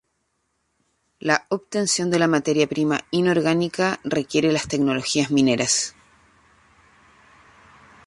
La obtención de la materia prima inorgánica requiere las tecnologías mineras.